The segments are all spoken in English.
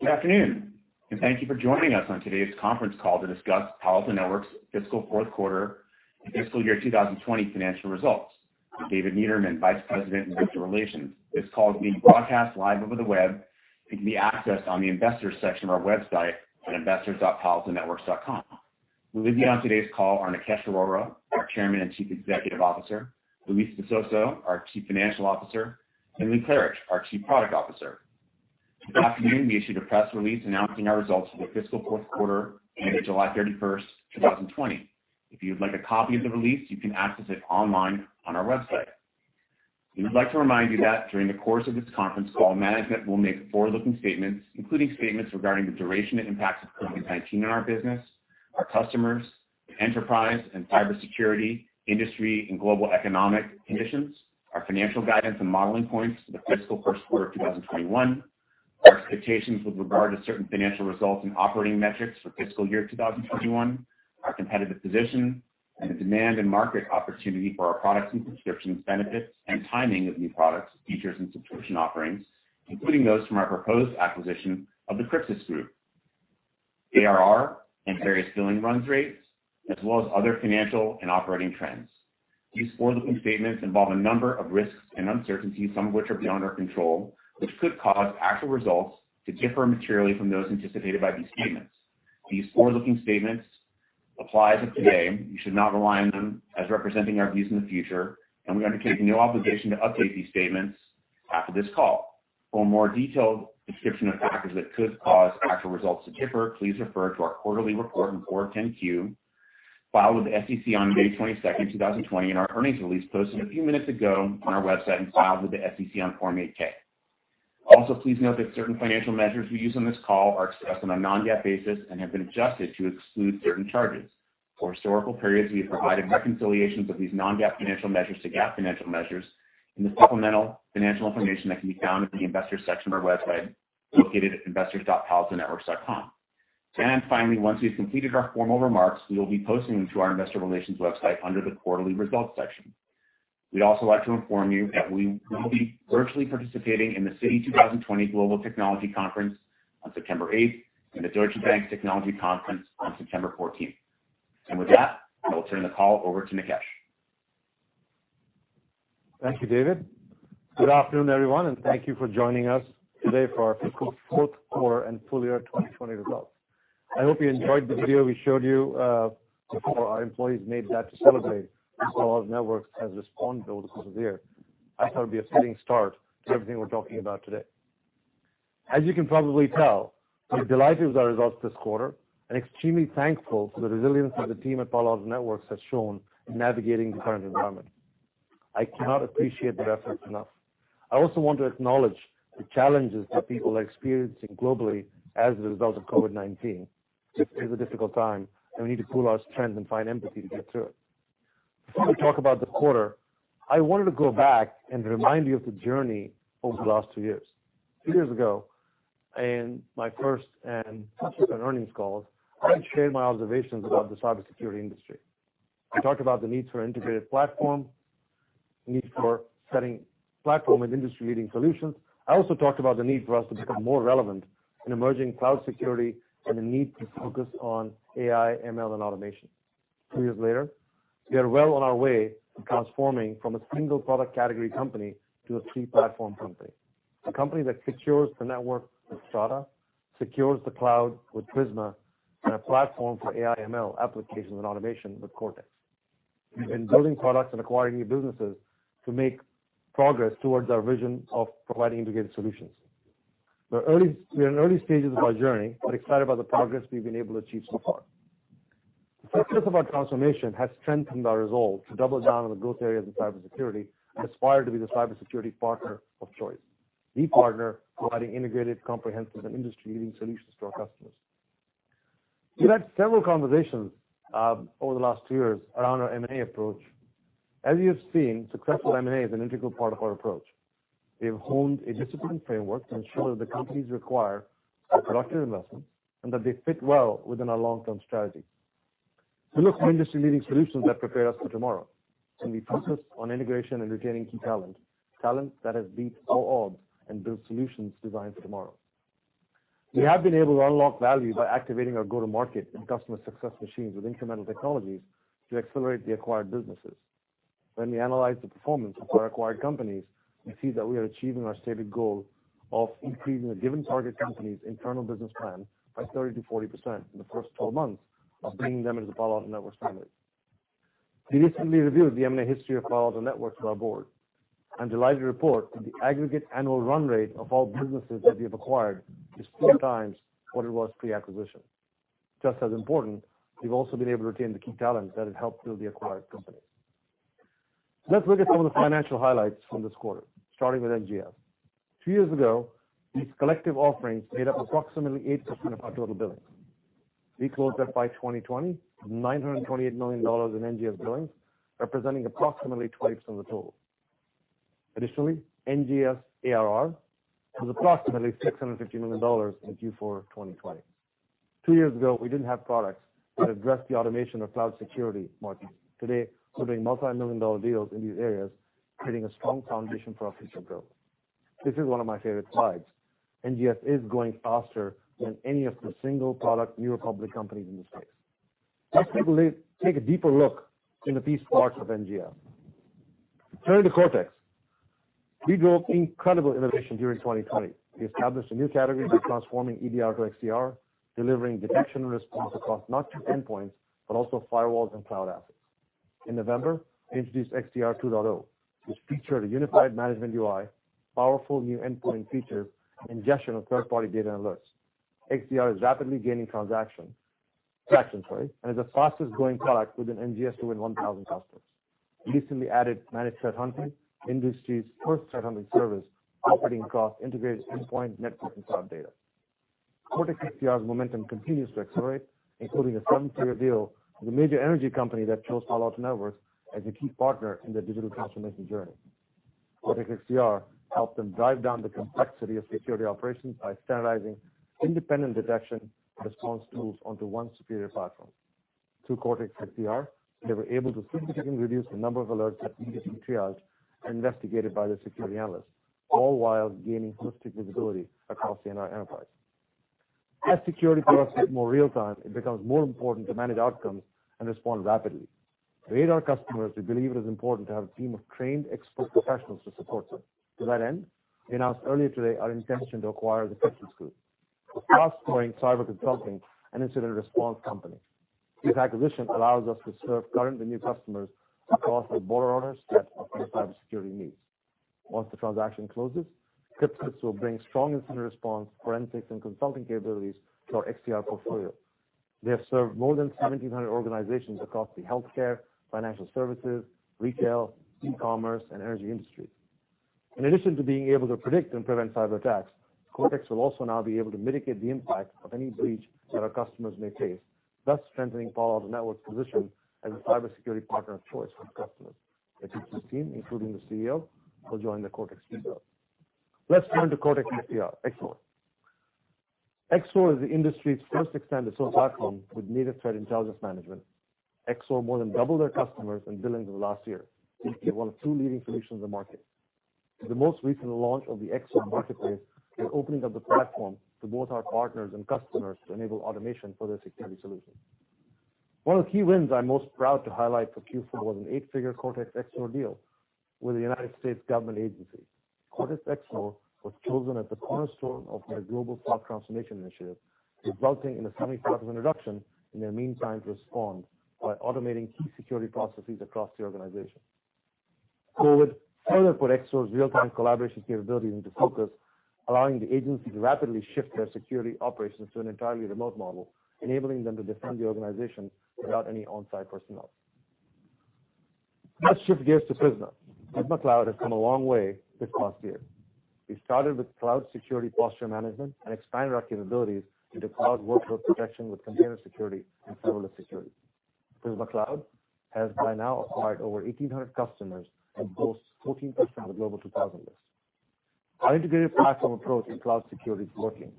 Good afternoon, and thank you for joining us on today's conference call to discuss Palo Alto Networks' Fourth Quarter and Fiscal Year 2020 financial results. I'm David Niederman, Vice President of Investor Relations. This call is being broadcast live over the web and can be accessed on the Investors section of our website at investors.paloaltonetworks.com. With me on today's call are Nikesh Arora, our Chairman and Chief Executive Officer, Luis Visoso, our Chief Financial Officer, and Lee Klarich, our Chief Product Officer. This afternoon, we issued a press release announcing our results for the fiscal fourth quarter ended July 31st, 2020. If you would like a copy of the release, you can access it online on our website. We would like to remind you that during the course of this conference call, management will make forward-looking statements, including statements regarding the duration and impacts of COVID-19 on our business, our customers, enterprise, and cybersecurity industry and global economic conditions, our financial guidance and modeling points for the fiscal first quarter of 2021, our expectations with regard to certain financial results and operating metrics for fiscal year 2021, our competitive position, and the demand and market opportunity for our products and subscriptions benefits and timing of new products, features, and subscription offerings, including those from our proposed acquisition of the Crypsis Group, ARR, and various billing runs rates, as well as other financial and operating trends. These forward-looking statements involve a number of risks and uncertainties, some of which are beyond our control, which could cause actual results to differ materially from those anticipated by these statements. These forward-looking statements apply as of today. You should not rely on them as representing our views in the future, and we undertake no obligation to update these statements after this call. For a more detailed description of factors that could cause actual results to differ, please refer to our quarterly report on Form 10-Q filed with the SEC on May 22nd, 2020, and our earnings release posted a few minutes ago on our website and filed with the SEC on Form 8-K. Also, please note that certain financial measures we use on this call are expressed on a non-GAAP basis and have been adjusted to exclude certain charges. For historical periods, we have provided reconciliations of these non-GAAP financial measures to GAAP financial measures in the supplemental financial information that can be found in the Investors section of our website, located at investors.paloaltonetworks.com. Finally, once we've completed our formal remarks, we will be posting them to our investor relations website under the Quarterly Results section. We'd also like to inform you that we will be virtually participating in the Citi 2020 Global Technology Conference on September 8th and the Deutsche Bank Technology Conference on September 14th. With that, I will turn the call over to Nikesh. Thank you, David. Good afternoon, everyone. Thank you for joining us today for our fiscal fourth quarter and full year 2020 results. I hope you enjoyed the video we showed you before. Our employees made that to celebrate how Palo Alto Networks has evolved over the course of the year. I thought it'd be a fitting start to everything we're talking about today. As you can probably tell, we're delighted with our results this quarter and extremely thankful for the resilience that the team at Palo Alto Networks has shown in navigating the current environment. I cannot appreciate the efforts enough. I also want to acknowledge the challenges that people are experiencing globally as a result of COVID-19. This is a difficult time. We need to pool our strength and find empathy to get through it. Before we talk about the quarter, I wanted to go back and remind you of the journey over the last two years. Two years ago, in my first and subsequent earnings calls, I shared my observations about the cybersecurity industry. I talked about the need for an integrated platform, the need for setting platform and industry-leading solutions. I also talked about the need for us to become more relevant in emerging cloud security and the need to focus on AI/ML, and automation. Two years later, we are well on our way to transforming from a single product category company to a three-platform company, a company that secures the network with Strata, secures the cloud with Prisma, and a platform for AI/ML applications and automation with Cortex. We've been building products and acquiring new businesses to make progress towards our vision of providing integrated solutions. We are in the early stages of our journey but excited about the progress we've been able to achieve so far. The focus of our transformation has strengthened our resolve to double down on the growth areas in cybersecurity and aspire to be the cybersecurity partner of choice, the partner providing integrated, comprehensive, and industry-leading solutions to our customers. We've had several conversations over the last two years around our M&A approach. As you have seen, successful M&A is an integral part of our approach. We have honed a disciplined framework to ensure that the companies acquire a productive investment and that they fit well within our long-term strategy. We look for industry-leading solutions that prepare us for tomorrow, and we focus on integration and retaining key talent that has beat all odds and built solutions designed for tomorrow. We have been able to unlock value by activating our go-to-market and customer success machines with incremental technologies to accelerate the acquired businesses. When we analyze the performance of our acquired companies, we see that we are achieving our stated goal of increasing a given target company's internal business plan by 30%-40% in the first 12 months of bringing them into the Palo Alto Networks family. We recently reviewed the M&A history of Palo Alto Networks with our board and delight to report that the aggregate annual run rate of all businesses that we have acquired is four times what it was pre-acquisition. Just as important, we've also been able to retain the key talent that has helped build the acquired companies. Let's look at some of the financial highlights from this quarter, starting with NGS. Two years ago, these collective offerings made up approximately 8% of our total billings. We closed that by 2020 with $928 million in NGS billings, representing approximately 20% of the total. Additionally, NGS ARR was approximately $650 million in Q4 2020. Two years ago, we didn't have products that addressed the automation of cloud security markets. Today, we're doing multimillion-dollar deals in these areas, creating a strong foundation for our future growth. This is one of my favorite slides. NGS is growing faster than any of the single product newer public companies in this space. Let's take a deeper look into these parts of NGS. Turning to Cortex. We drove incredible innovation during 2020. We established a new category for transforming EDR to XDR, delivering detection and response across not just endpoints, but also firewalls and cloud assets. In November, we introduced XDR 2.0, which featured a unified management UI, powerful new endpoint features, and ingestion of third-party data and alerts. XDR is rapidly gaining traction, and is the fastest-growing product within NGS to win 1,000 customers. We recently added Managed Threat Hunting, the industry's first threat hunting service operating across integrated endpoint, network, and cloud data. Cortex XDR's momentum continues to accelerate, including a seven-figure deal with a major energy company that chose Palo Alto Networks as a key partner in their digital transformation journey. Cortex XDR helped them drive down the complexity of security operations by standardizing independent detection and response tools onto one superior platform. Through Cortex XDR, they were able to significantly reduce the number of alerts that needed to be triaged and investigated by their security analysts, all while gaining holistic visibility across the enterprise. As security products get more real time, it becomes more important to manage outcomes and respond rapidly. For eight of our customers, we believe it is important to have a team of trained expert professionals to support them. To that end, we announced earlier today our intention to acquire The Crypsis Group, a fast-growing cyber consulting and incident response company. This acquisition allows us to serve current and new customers across the broader set of their cybersecurity needs. Once the transaction closes, The Crypsis Group will bring strong incident response, forensics, and consulting capabilities to our XDR portfolio. They have served more than 1,700 organizations across the healthcare, financial services, retail, e-commerce, and energy industries. In addition to being able to predict and prevent cyber attacks, Cortex will also now be able to mitigate the impact of any breach that our customers may face, thus strengthening Palo Alto Networks' position as a cybersecurity partner of choice for customers. The Crypsis team, including the CEO, will join the Cortex team. Let's turn to Cortex XSOAR. XSOAR is the industry's first extended SOAR platform with native threat intelligence management. XSOAR more than doubled their customers and billings in the last year to become one of two leading solutions in the market. With the most recent launch of the XSOAR Marketplace, we're opening up the platform to both our partners and customers to enable automation for their security solutions. One of the key wins I'm most proud to highlight for Q4 was an eight-figure Cortex XSOAR deal with a U.S. government agency. Cortex XSOAR was chosen as the cornerstone of their global cloud transformation initiative, resulting in a 75% reduction in their mean time to respond by automating key security processes across the organization. COVID further put XSOAR's real-time collaboration capabilities into focus, allowing the agency to rapidly shift their security operations to an entirely remote model, enabling them to defend the organization without any on-site personnel. Let's shift gears to Prisma. Prisma Cloud has come a long way this past year. We started with cloud security posture management and expanded our capabilities into cloud workload protection with container security and serverless security. Prisma Cloud has by now acquired over 1,800 customers and boasts 14% of the Global 2000 list. Our integrated platform approach in cloud security is working.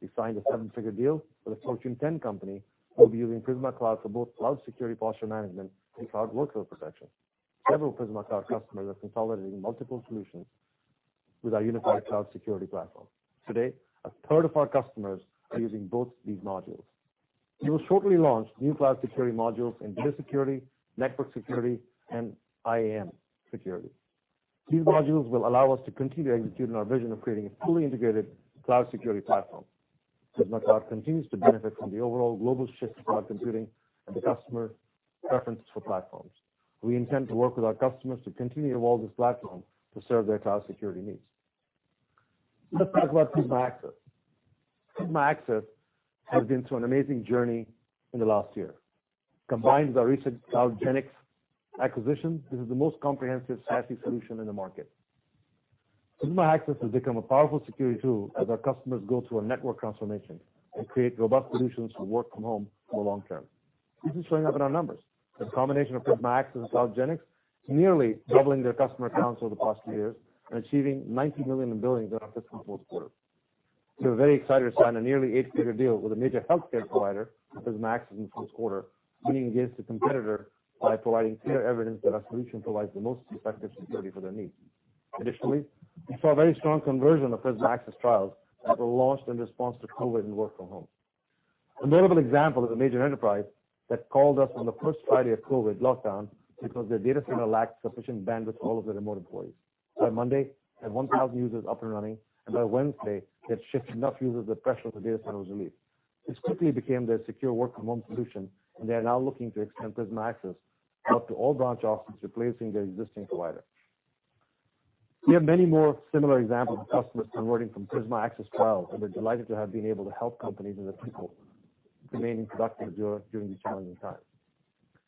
We signed a seven-figure deal with a Fortune 10 company who will be using Prisma Cloud for both cloud security posture management and cloud workload protection. Several Prisma Cloud customers are consolidating multiple solutions with our unified cloud security platform. Today, 1/3 of our customers are using both these modules. We will shortly launch new cloud security modules in data security, network security, and IAM security. These modules will allow us to continue executing our vision of creating a fully integrated cloud security platform. Prisma Cloud continues to benefit from the overall global shift to cloud computing and the customer preference for platforms. We intend to work with our customers to continue to evolve this platform to serve their cloud security needs. Let's talk about Prisma Access. Prisma Access has been through an amazing journey in the next year. Combined with our recent CloudGenix acquisition, this is the most comprehensive SASE solution in the market. Prisma Access has become a powerful security tool as our customers go through a network transformation and create robust solutions for work from home for the long term. This is showing up in our numbers. The combination of Prisma Access and CloudGenix is nearly doubling their customer count over the past few years and achieving $90 million in billings in our fiscal fourth quarter. We're very excited to sign a nearly eight-figure deal with a major healthcare provider for Prisma Access in the fourth quarter, winning against a competitor by providing clear evidence that our solution provides the most effective security for their needs. Additionally, we saw very strong conversion of Prisma Access trials that were launched in response to COVID and work from home. A notable example is a major enterprise that called us on the first Friday of COVID lockdown because their data center lacked sufficient bandwidth for all of their remote employees. By Monday, they had 1,000 users up and running, and by Wednesday, they had shifted enough users that pressure on the data center was relieved. This quickly became their secure work-from-home solution, and they are now looking to extend Prisma Access out to all branch offices, replacing their existing provider. We have many more similar examples of customers converting from Prisma Access trials, and we're delighted to have been able to help companies and their people remain productive during these challenging times.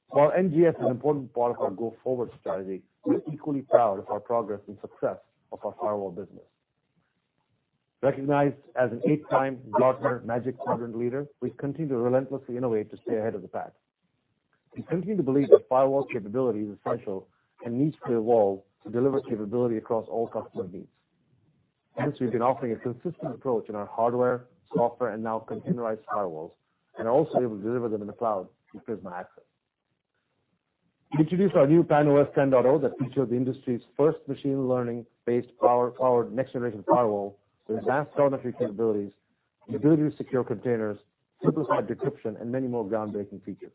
While NGS is an important part of our go-forward strategy, we are equally proud of our progress and success of our firewall business. Recognized as an eight-time Gartner Magic Quadrant leader, we've continued to relentlessly innovate to stay ahead of the pack. We continue to believe that firewall capability is essential and needs to evolve to deliver capability across all customer needs. Hence, we've been offering a consistent approach in our hardware, software, and now containerized firewalls, and are also able to deliver them in the cloud through Prisma Access. We introduced our new PAN-OS 10.0 that featured the industry's first machine learning-based powered next-generation firewall with advanced telemetry capabilities, the ability to secure containers, simplified decryption, and many more groundbreaking features.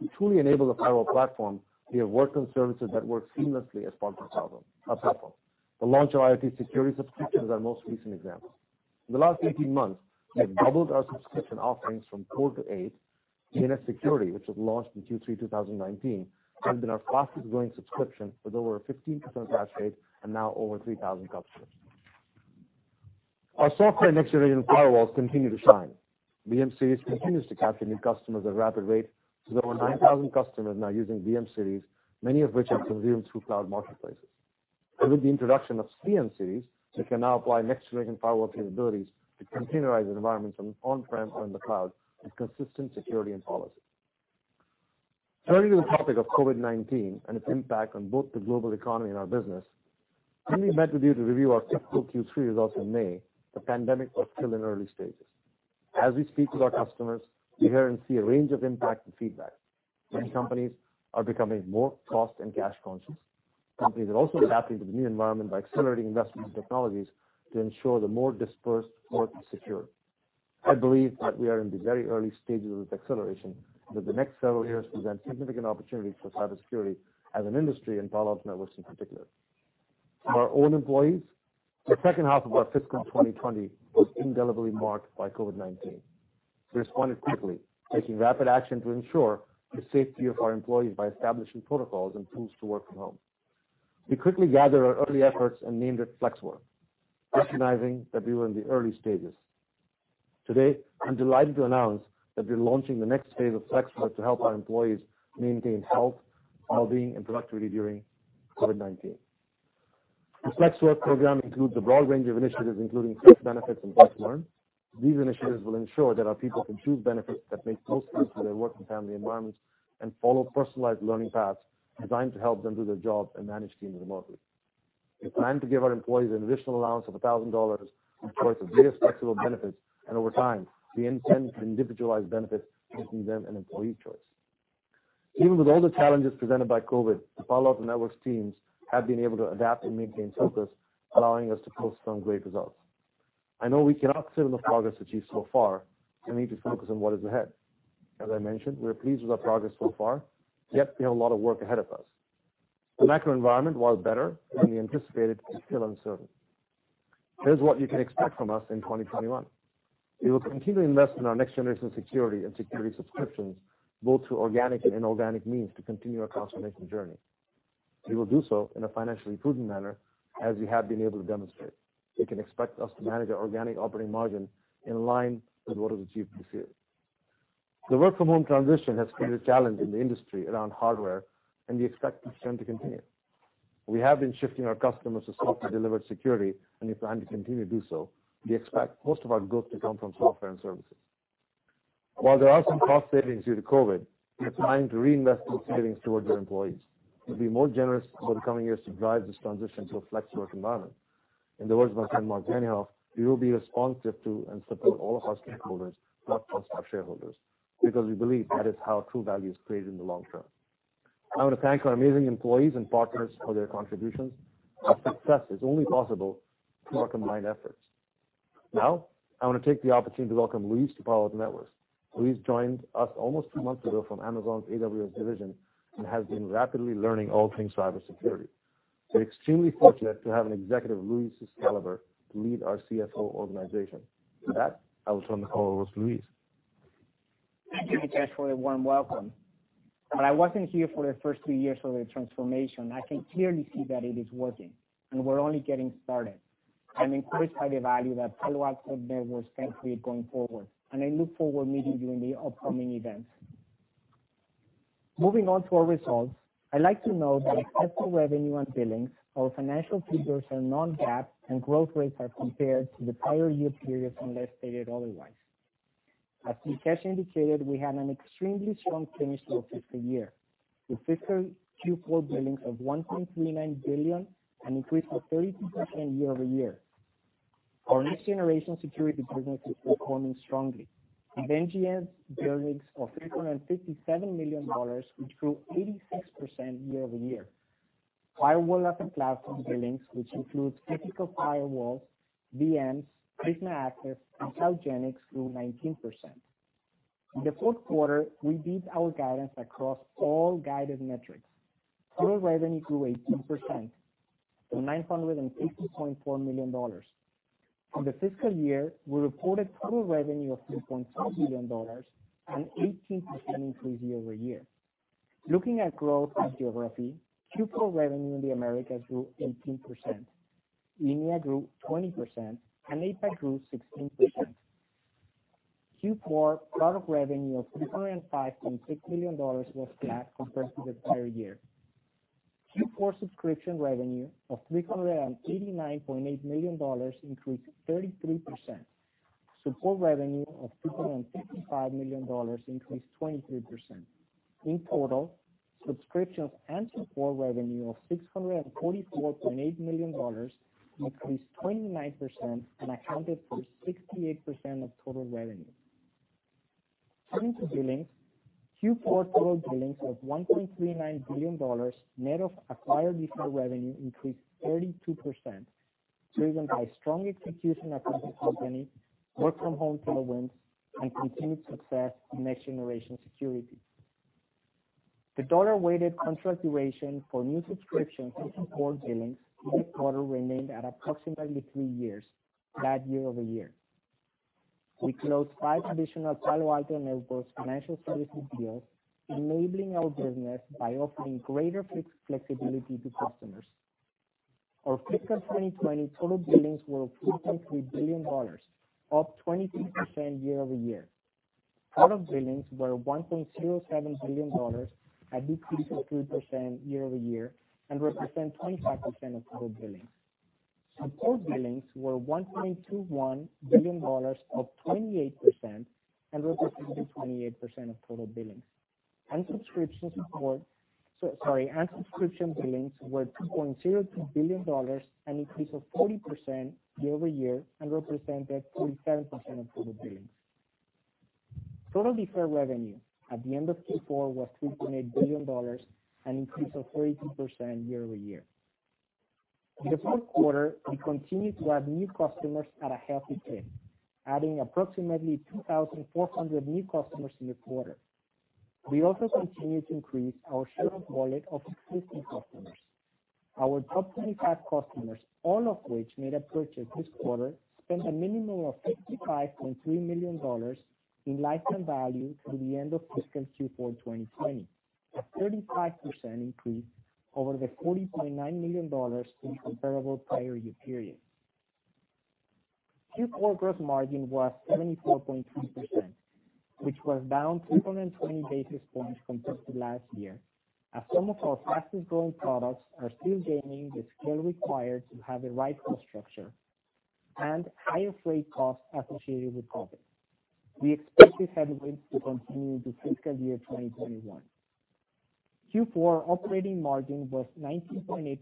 We truly enable the firewall platform via work and services that work seamlessly as part of Palo. The launch of our IoT security subscription is our most recent example. In the last 18 months, we have doubled our subscription offerings from four to eight. DNS Security, which was launched in Q3 2019, has been our fastest growing subscription with over a 15% attach rate and now over 3,000 customers. Our software and next generation firewalls continue to shine. VM-Series continues to capture new customers at a rapid rate to over 9,000 customers now using VM-Series, many of which have consumed through cloud marketplaces. With the introduction of CN-Series, we can now apply next generation firewall capabilities to containerized environments from on-prem or in the cloud with consistent security and policy. Turning to the topic of COVID-19 and its impact on both the global economy and our business, when we met with you to review our fiscal Q3 results in May, the pandemic was still in early stages. As we speak with our customers, we hear and see a range of impact and feedback. Many companies are becoming more cost and cash conscious. Companies are also adapting to the new environment by accelerating investments in technologies to ensure the more dispersed work is secure. I believe that we are in the very early stages of this acceleration and that the next several years present significant opportunities for cybersecurity as an industry and Palo Alto Networks in particular. For our own employees, the second half of our fiscal 2020 was indelibly marked by COVID-19. We responded quickly, taking rapid action to ensure the safety of our employees by establishing protocols and tools to work from home. We quickly gathered our early efforts and named it FLEXWORK, recognizing that we were in the early stages. Today, I'm delighted to announce that we're launching the next phase of FLEXWORK to help our employees maintain health, wellbeing, and productivity during COVID-19. The FLEXWORK program includes a broad range of initiatives, including FLEXBenefits and FLEXWORK. These initiatives will ensure that our people can choose benefits that make most sense for their work and family environment and follow personalized learning paths designed to help them do their job and manage teams remotely. We plan to give our employees an additional allowance of $1,000 to choose the various FLEXWORK benefits, and over time, we intend to individualize benefits between them and employee choice. Even with all the challenges presented by COVID-19, the Palo Alto Networks teams have been able to adapt and maintain focus, allowing us to post some great results. I know we cannot sit on the progress achieved so far and need to focus on what is ahead. As I mentioned, we are pleased with our progress so far, yet we have a lot of work ahead of us. The macro environment, while better than we anticipated, is still uncertain. Here's what you can expect from us in 2021. We will continue to invest in our next generation security and security subscriptions, both through organic and inorganic means, to continue our transformation journey. We will do so in a financially prudent manner, as we have been able to demonstrate. You can expect us to manage our organic operating margin in line with what is achieved this year. The work from home transition has created a challenge in the industry around hardware, and we expect this trend to continue. We have been shifting our customers to software-delivered security, and we plan to continue to do so. We expect most of our growth to come from software and services. While there are some cost savings due to COVID, we plan to reinvest those savings towards our employees. We'll be more generous over the coming years to drive this transition to a FLEXWORK environment. In the words of our friend Marc Benioff, we will be responsive to and support all of our stakeholders, not just our shareholders, because we believe that is how true value is created in the long term. I want to thank our amazing employees and partners for their contributions. Our success is only possible through our combined efforts. Now, I want to take the opportunity to welcome Luis to Palo Alto Networks. Luis joined us almost two months ago from Amazon's AWS division and has been rapidly learning all things cybersecurity. We're extremely fortunate to have an executive of Luis' caliber to lead our CFO organization. With that, I will turn the call over to Luis. Thank you, Nikesh, for the warm welcome. While I wasn't here for the first three years of the transformation, I can clearly see that it is working, and we're only getting started. I'm encouraged by the value that Palo Alto Networks can create going forward, and I look forward to meeting you in the upcoming events. Moving on to our results, I'd like to note that except for revenue and billings, our financial figures are non-GAAP and growth rates are compared to the prior year periods unless stated otherwise. As Nikesh indicated, we had an extremely strong finish to our fiscal year with fiscal Q4 billings of $1.39 billion, an increase of 32% year-over-year. Our next generation security business is performing strongly, with NGS billings of $357 million, which grew 86% year-over-year. Firewall as a Platform billings, which includes physical firewalls, VM, Prisma Access, and CloudGenix, grew 19%. In the fourth quarter, we beat our guidance across all guided metrics. Total revenue grew 18% to $950.4 million. On the fiscal year, we reported total revenue of $3.2 billion, an 18% increase year-over-year. Looking at growth by geography, Q4 revenue in the Americas grew 18%, EMEA grew 20%, and APAC grew 16%. Q4 product revenue of $305.6 million was flat compared to the prior year. Q4 subscription revenue of $389.8 million increased 33%. Support revenue of $255 million increased 23%. In total, subscriptions and support revenue of $644.8 million increased 29% and accounted for 68% of total revenue. Turning to billings, Q4 total billings of $1.39 billion, net of acquired deferred revenue increased 32%, driven by strong execution across the company, work from home tailwinds, and continued success in next-generation security. The dollar-weighted contract duration for new subscriptions and support billings this quarter remained at approximately three years, flat year-over-year. We closed five additional Palo Alto Networks Financial Services deals, enabling our business by offering greater fixed flexibility to customers. Our fiscal 2020 total billings were $3.3 billion, up 23% year-over-year. Product billings were $1.07 billion, an increase of 3% year-over-year, and represent 25% of total billings. Support billings were $1.21 billion, up 28%, and represented 28% of total billings. Subscription support. Sorry, and subscription billings were $2.02 billion, an increase of 40% year-over-year, and represented 47% of total billings. Total deferred revenue at the end of Q4 was $3.8 billion, an increase of 42% year-over-year. In the fourth quarter, we continued to add new customers at a healthy pace, adding approximately 2,400 new customers in the quarter. We also continued to increase our share of wallet of existing customers. Our top 25 customers, all of which made a purchase this quarter, spent a minimum of $55.3 million in lifetime value through the end of fiscal Q4 2020, a 35% increase over the $40.9 million in the comparable prior-year period. Q4 gross margin was 74.3%, which was down 220 basis points compared to last year, as some of our fastest-growing products are still gaining the scale required to have the right cost structure and higher freight costs associated with COVID-19. We expect these headwinds to continue into fiscal year 2021. Q4 operating margin was 19.8%,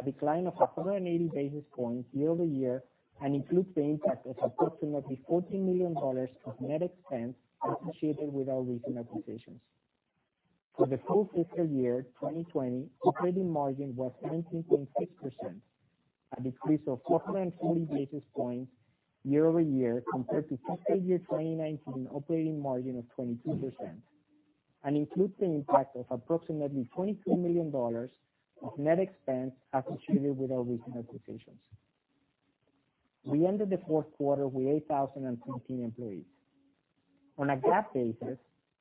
a decline of 180 basis points year over year and includes the impact of approximately $14 million of net expense associated with our recent acquisitions. For the full fiscal year 2020, operating margin was 19.6%, a decrease of 420 basis points year-over-year compared to fiscal year 2019 operating margin of 22%, and includes the impact of approximately $22 million of net expense associated with our recent acquisitions. We ended the fourth quarter with 8,015 employees. On a GAAP basis,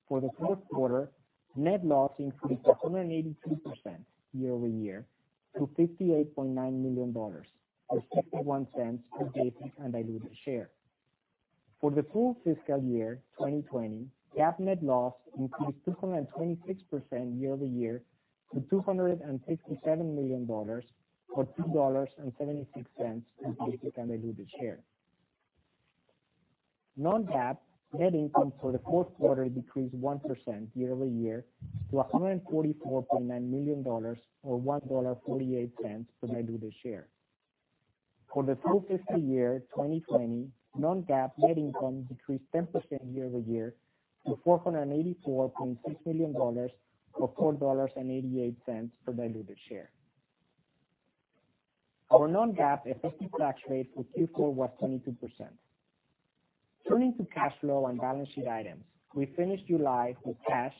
for the fourth quarter, net loss increased 183% year-over-year to $58.9 million, or $0.61 per basic and diluted share. For the full fiscal year 2020, GAAP net loss increased 226% year-over-year to $267 million, or $2.76 per basic and diluted share. Non-GAAP net income for the fourth quarter decreased 1% year-over-year to $144.9 million, or $1.48 per diluted share. For the full fiscal year 2020, non-GAAP net income decreased 10% year-over-year to $484.6 million, or $4.88 per diluted share. Our non-GAAP effective tax rate for Q4 was 22%. Turning to cash flow and balance sheet items. We finished July with cash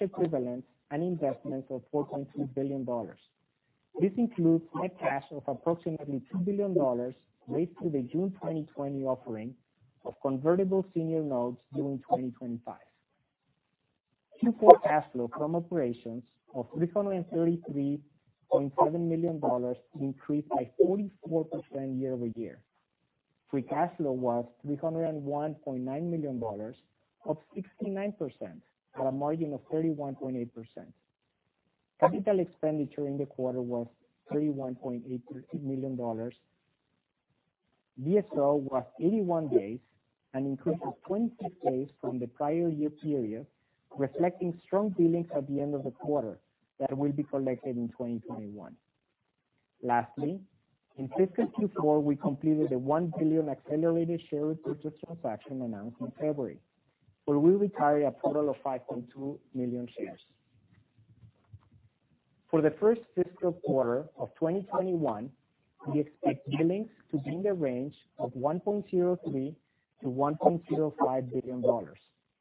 equivalents, and investments of $4.2 billion. This includes net cash of approximately $2 billion raised through the June 2020 offering of convertible senior notes during 2025. Q4 cash flow from operations of $333.7 million increased by 44% year-over-year. Free cash flow was $301.9 million, up 69%, on a margin of 31.8%. Capital expenditure in the quarter was $31.83 million. DSO was 81 days, an increase of 26 days from the prior year period, reflecting strong billings at the end of the quarter that will be collected in 2021. In fiscal Q4, we completed the $1 billion accelerated share repurchase transaction announced in February, where we retired a total of 5.2 million shares. For the first fiscal quarter of 2021, we expect billings to be in the range of $1.03 billion-$1.05 billion,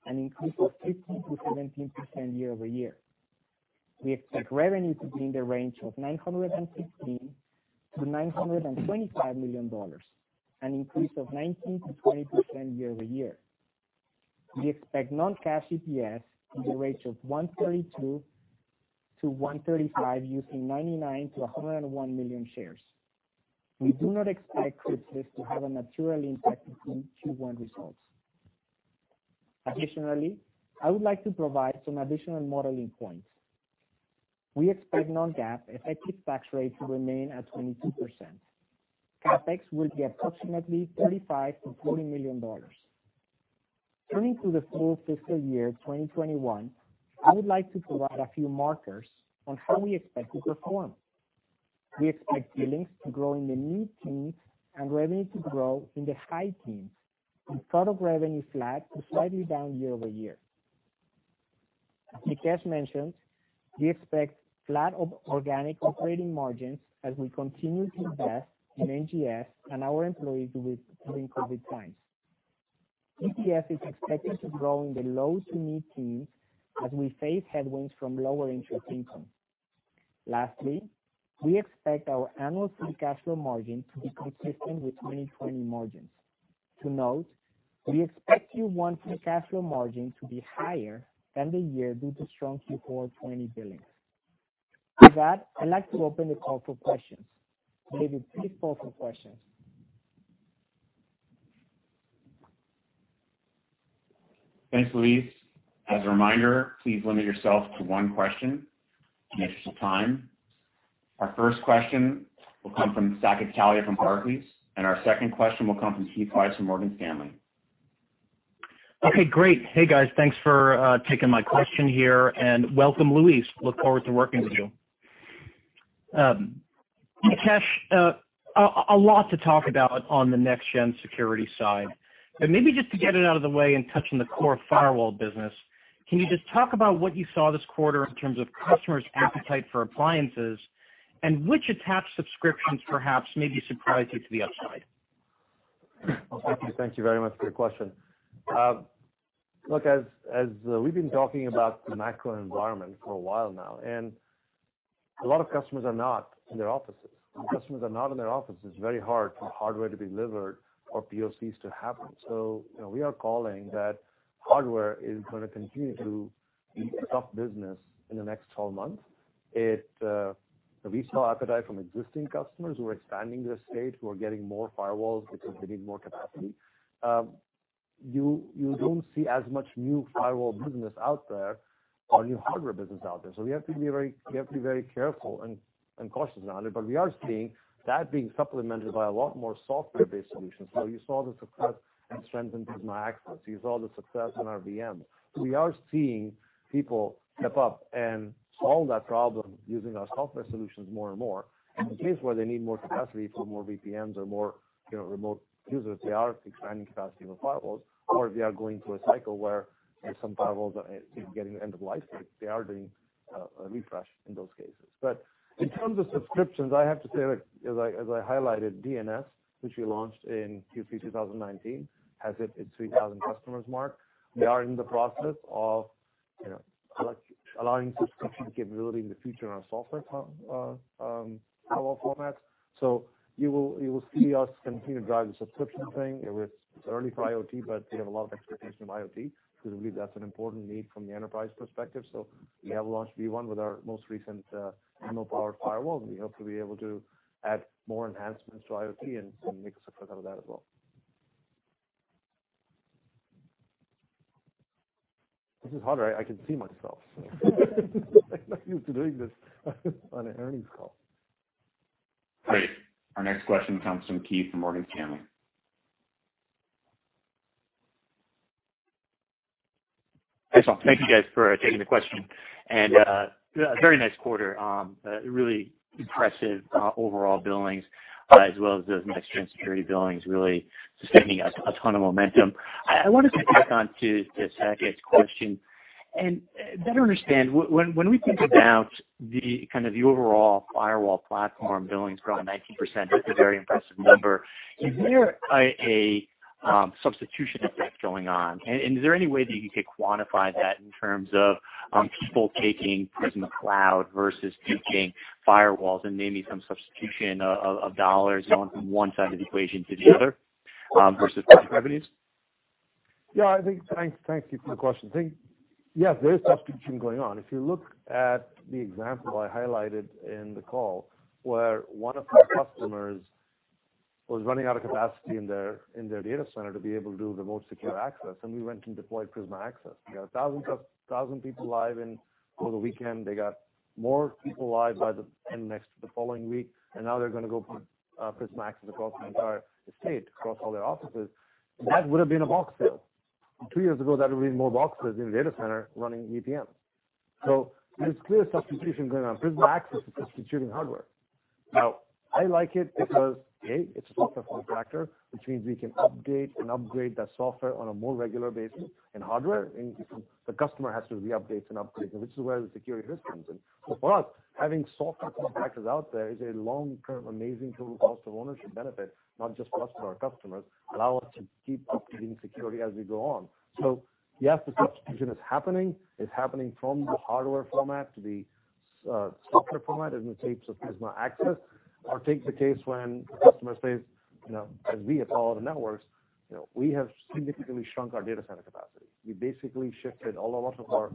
an increase of 15%-17% year-over-year. We expect revenue to be in the range of $916 million-$925 million, an increase of 19%-20% year-over-year. We expect non-GAAP EPS in the range of $1.32-$1.35 using 99 million-101 million shares. We do not expect Crypsis to have a material impact on Q1 results. Additionally, I would like to provide some additional modeling points. We expect non-GAAP effective tax rate to remain at 22%. CapEx will be approximately $35 million-$40 million. Turning to the full fiscal year 2021, I would like to provide a few markers on how we expect to perform. We expect billings to grow in the mid-teens and revenue to grow in the high teens, with product revenue flat to slightly down year-over-year. As Nikesh mentioned, we expect flat organic operating margins as we continue to invest in NGS and our employees during COVID-19 times. EPS is expected to grow in the low to mid-teens as we face headwinds from lower interest income. Lastly, we expect our annual free cash flow margin to be consistent with 2020 margins. To note, we expect Q1 free cash flow margin to be higher than the year due to strong Q4 2020 billings. With that, I'd like to open the call for questions. David, please pose the questions. Thanks, Luis. As a reminder, please limit yourself to one question in the interest of time. Our first question will come from Saket Kalia from Barclays, and our second question will come from Keith Weiss from Morgan Stanley. Okay, great. Hey, guys. Thanks for taking my question here, and welcome, Luis. Look forward to working with you. Nikesh, a lot to talk about on the next-gen security side. Maybe just to get it out of the way and touching the core firewall business, can you just talk about what you saw this quarter in terms of customers' appetite for appliances, and which attached subscriptions perhaps maybe surprised you to the upside? Thank you. Thank you very much for your question. Look, as we've been talking about the macro environment for a while now, and a lot of customers are not in their offices. When customers are not in their offices, it's very hard for hardware to be delivered or POCs to happen. We are calling that hardware is going to continue to be a tough business in the next 12 months. We saw appetite from existing customers who are expanding their estate, who are getting more firewalls because they need more capacity. You don't see as much new firewall business out there or new hardware business out there. We have to be very careful and cautious around it. We are seeing that being supplemented by a lot more software-based solutions. You saw the success and strength in Prisma Access. You saw the success in our VM. We are seeing people step up and solve that problem using our software solutions more and more. In the case where they need more capacity for more VPNs or more remote users, they are expanding capacity with firewalls, or they are going through a cycle where some firewalls are getting end of life, they are doing a refresh in those cases. In terms of subscriptions, I have to say, as I highlighted, DNS, which we launched in Q3 2019, has hit its 3,000 customers mark. We are in the process of allowing subscription capability in the future on our software firewall formats. You will see us continue to drive the subscription thing. It's early for IoT, but we have a lot of expectation of IoT because we believe that's an important need from the enterprise perspective. We have launched B1 with our most recent ML-powered firewall, and we hope to be able to add more enhancements to IoT and make a success out of that as well. This is harder. I can see myself. I'm not used to doing this on an earnings call. Great. Our next question comes from Keith from Morgan Stanley. Thanks, Luis. Thank you guys for taking the question. A very nice quarter. Really impressive overall billings as well as those next-gen security billings really sustaining a ton of momentum. I wanted to pick on to Saket's question and better understand when we think about the overall firewall platform billings, growing 19%, that's a very impressive number. Is there a substitution effect going on? Is there any way that you could quantify that in terms of people taking Prisma Cloud versus taking firewalls and maybe some substitution of dollars going from one side of the equation to the other versus product revenues? Yeah, thank you for the question. Yes, there is substitution going on. If you look at the example I highlighted in the call where one of our customers was running out of capacity in their data center to be able to do remote secure access, we went and deployed Prisma Access. We got 1,000 people live in over the weekend. They got more people live by the end next to the following week, now they're going to go put Prisma Access across the entire estate, across all their offices. That would have been a box sale. Two years ago, that would've been more boxes in the data center running VPN. There's clear substitution going on. Prisma Access is substituting hardware. Now, I like it because, A, it's a software form factor, which means we can update and upgrade that software on a more regular basis than hardware. The customer has to re-update and upgrade, which is where the security risk comes in. For us, having software form factors out there is a long-term amazing total cost of ownership benefit, not just for us, but our customers, allow us to keep updating security as we go on. Yes, the substitution is happening. It's happening from the hardware format to the software format in the case of Prisma Access. Take the case when the customer says, as we at Palo Alto Networks, we have significantly shrunk our data center capacity. We basically shifted a lot of our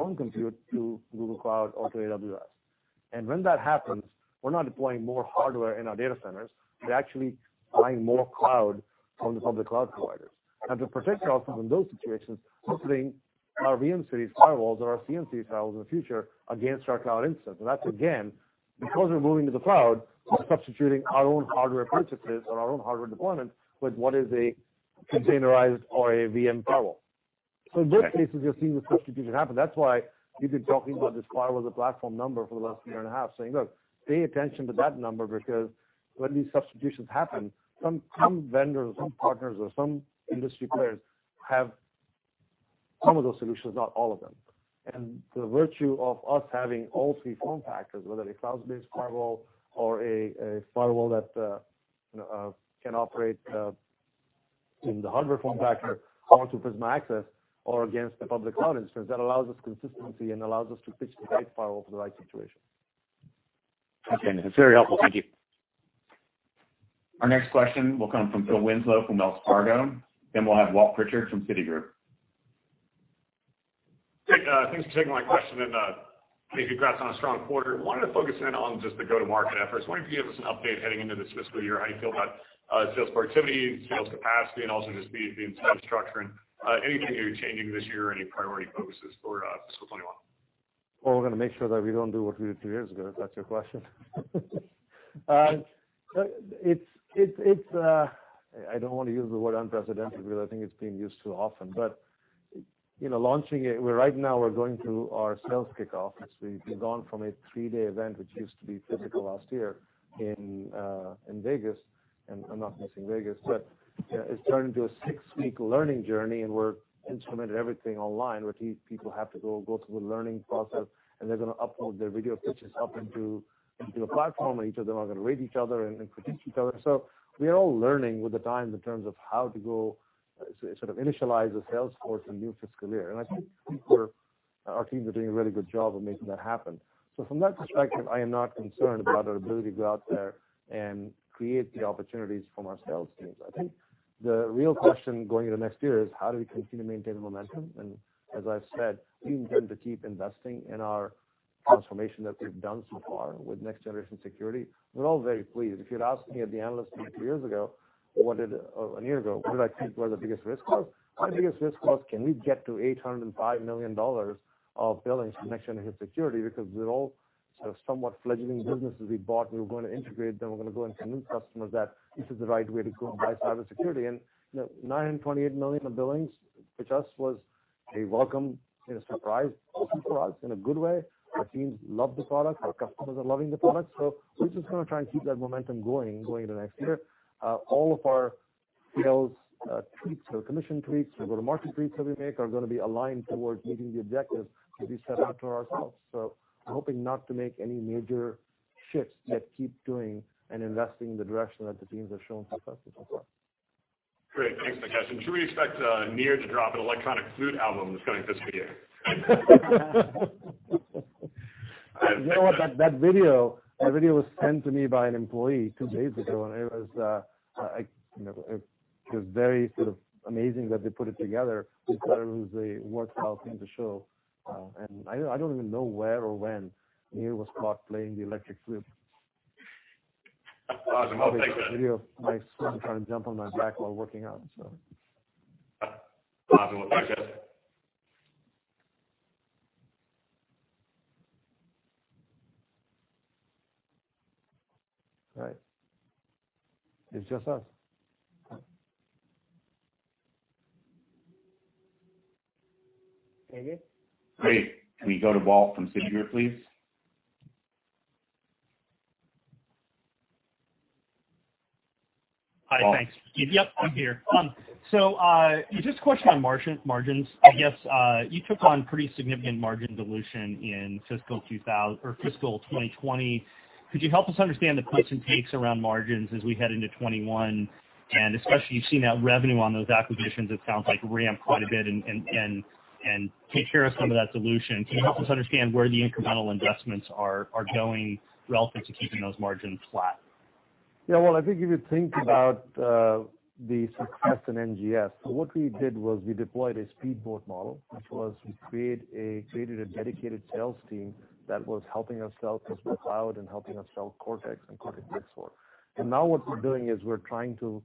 own compute to Google Cloud or to AWS. When that happens, we're not deploying more hardware in our data centers. We're actually buying more cloud from the public cloud providers. To protect ourselves from those situations, we're putting our VM-Series firewalls or our CN-Series firewalls in the future against our cloud instance. That's, again, because we're moving to the cloud, we're substituting our own hardware purchases or our own hardware deployment with what is a containerized or a VM firewall. In both cases, you're seeing the substitution happen. That's why we've been talking about this Firewall as a Platform number for the last year and a half, saying, "Look, pay attention to that number," because when these substitutions happen, some vendors or some partners or some industry players have some of those solutions, not all of them. The virtue of us having all three form factors, whether a cloud-based firewall or a firewall that can operate in the hardware form factor or through Prisma Access or against the public cloud instance, that allows us consistency and allows us to pitch the right firewall for the right situation. Okay. That's very helpful. Thank you. Our next question will come from Phil Winslow from Wells Fargo, then we'll have Walt Pritchard from Citigroup. Thanks for taking my question. Many congrats on a strong quarter. I wanted to focus in on just the go-to-market efforts. I wanted to get us an update heading into this fiscal year, how you feel about sales productivity, sales capacity, and also just the incentive structure and anything that you're changing this year or any priority focuses for fiscal 2021. Well, we're going to make sure that we don't do what we did two years ago, if that's your question. I don't want to use the word unprecedented because I think it's being used too often. Right now, we're going through our sales kickoff, which we've gone from a three-day event, which used to be physical last year in Vegas, and I'm not missing Vegas. It's turned into a six-week learning journey, and we've instrumented everything online where these people have to go through the learning process, and they're going to upload their video pitches up into a platform, and each of them are going to rate each other and critique each other. We are all learning with the times in terms of how to go sort of initialize the sales force in a new fiscal year. I think our teams are doing a really good job of making that happen. From that perspective, I am not concerned about our ability to go out there and create the opportunities from our sales teams. I think the real question going into next year is how do we continue to maintain the momentum? As I've said, we intend to keep investing in our transformation that we've done so far with next-generation security. We're all very pleased. If you'd asked me at the analyst meeting two years ago or a year ago, what did I think were the biggest risk? Our biggest risk was can we get to $805 million of billings from next-generation security because they're all sort of somewhat fledgling businesses we bought, we were going to integrate, then we're going to go into new customers that this is the right way to go and buy cybersecurity. $928 million of billings, which us, was a welcome surprise also for us in a good way. Our teams love the product. Our customers are loving the product. We're just going to try and keep that momentum going into next year. All of our sales tweaks or commission tweaks or go-to-market tweaks that we make are going to be aligned towards meeting the objectives that we set out to ourselves. I'm hoping not to make any major shifts, yet keep doing and investing in the direction that the teams have shown success with so far. Great. Thanks, Nikesh. Should we expect Nir to drop an electronic flute album this coming fiscal year? You know what? That video was sent to me by an employee two days ago, it was very sort of amazing that they put it together because it was a worthwhile thing to show. I don't even know where or when Nir was caught playing the electric flute. Awesome. I'll take that. There's a video of my son trying to jump on my back while working out. Awesome. Well, thanks, guys. All right. It's just us. David? Great. Can we go to Walt from Citigroup, please? Walt. Hi. Thanks. Yep, I'm here. Just a question on margins. I guess you took on pretty significant margin dilution in fiscal 2020. Could you help us understand the puts and takes around margins as we head into 2021, and especially you've seen that revenue on those acquisitions, it sounds like ramped quite a bit and take care of some of that dilution. Can you help us understand where the incremental investments are going relative to keeping those margins flat? Yeah. Well, I think if you think about the success in NGS, what we did was we deployed a speedboat model. Which was we created a dedicated sales team that was helping us sell Prisma Cloud and helping us sell Cortex and Cortex XSOAR. Now what we're doing is we're trying to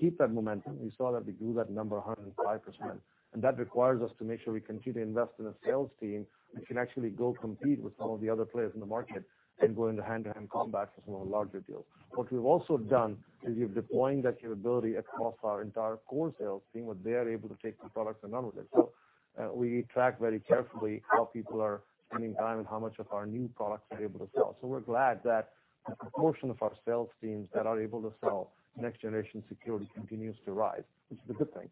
keep that momentum. We saw that we grew that number 105%, and that requires us to make sure we continue to invest in a sales team that can actually go compete with some of the other players in the market and go into hand-to-hand combat for some of the larger deals. What we've also done is we're deploying that capability across our entire core sales team where they're able to take the products and own it. We track very carefully how people are spending time and how much of our new products they're able to sell. We're glad that a proportion of our sales teams that are able to sell next-generation security continues to rise, which is a good thing.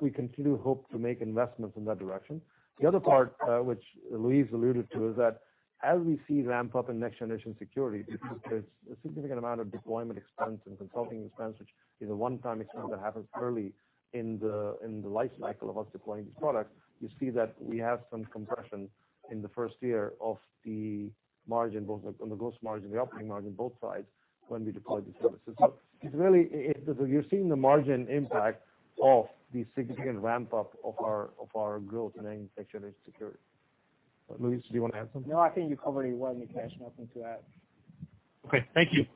We continue hope to make investments in that direction. The other part, which Luis alluded to, is that as we see ramp-up in next-generation security, there's a significant amount of deployment expense and consulting expense, which is a one-time expense that happens early in the life cycle of us deploying these products. You see that we have some compression in the first year of the margin, both on the gross margin, the operating margin, both sides, when we deploy these services. You're seeing the margin impact of the significant ramp-up of our growth in next-generation security. Luis, do you want to add something? No, I think you covered it well, Nikesh. Nothing to add. Okay. Thank you.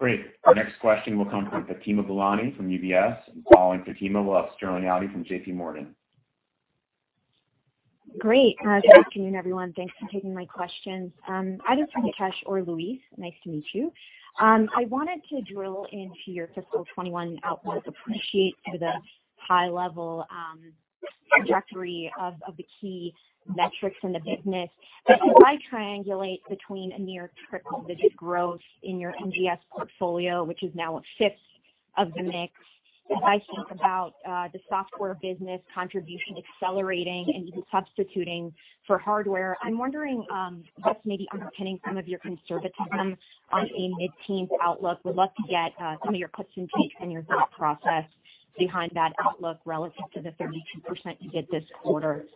Great. Our next question will come from Fatima Boolani from UBS. Following Fatima, we'll have Sterling Auty from JPMorgan. Great. Good afternoon, everyone. Thanks for taking my questions. Either from Nikesh or Luis, nice to meet you. I wanted to drill into your fiscal 2021 outlook. Appreciate the high-level trajectory of the key metrics in the business. As I triangulate between a near triple-digit growth in your NGS portfolio, which is now a fifth of the mix, as I think about the software business contribution accelerating and even substituting for hardware, I'm wondering what's maybe underpinning some of your conservatism on a mid-teens outlook. Would love to get some of your perspective and your thought process behind that outlook relative to the 32% you did this quarter.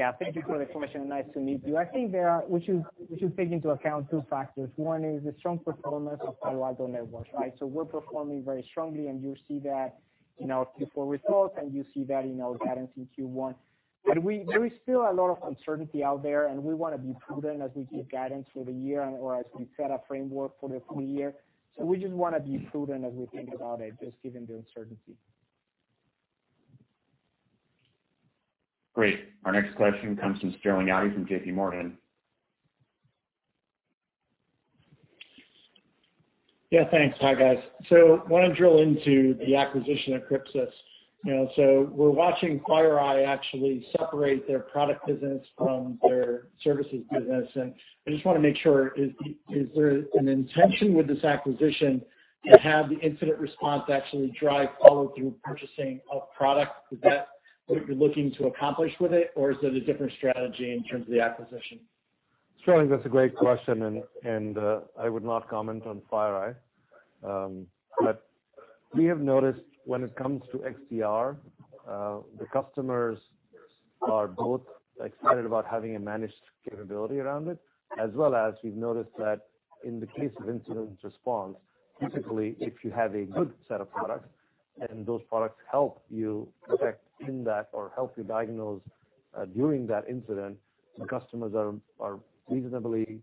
Yeah. Thank you for the question. Nice to meet you. I think we should take into account two factors. One is the strong performance of Palo Alto Networks, right? We're performing very strongly, and you see that in our Q4 results, and you see that in our guidance in Q1. There is still a lot of uncertainty out there, and we want to be prudent as we give guidance for the year or as we set a framework for the full year. We just want to be prudent as we think about it, just given the uncertainty. Great. Our next question comes from Sterling Auty from JPMorgan. Yeah, thanks. Hi, guys. I want to drill into the acquisition of Crypsis. We're watching FireEye actually separate their product business from their services business, and I just want to make sure, is there an intention with this acquisition to have the incident response actually drive follow-through purchasing of product? Is that what you're looking to accomplish with it? Or is it a different strategy in terms of the acquisition? Sterling, that's a great question. I would not comment on FireEye. We have noticed when it comes to XDR, the customers are both excited about having a managed capability around it, as well as we've noticed that in the case of incident response, typically, if you have a good set of products and those products help you protect in that or help you diagnose during that incident, the customers are reasonably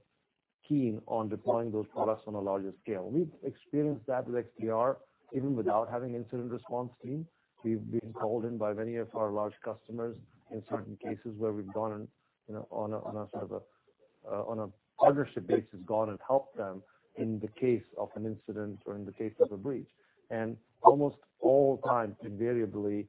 keen on deploying those products on a larger scale. We've experienced that with XDR, even without having incident response team. We've been called in by many of our large customers in certain cases where we've, on a partnership basis, gone and helped them in the case of an incident or in the case of a breach. Almost all times, invariably,